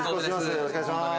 よろしくお願いします。